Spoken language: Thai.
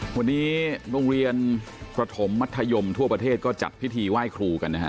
วันนี้โรงเรียนประถมมัธยมทั่วประเทศก็จัดพิธีไหว้ครูกันนะฮะ